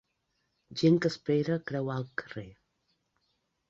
gent que espera creuar el carrer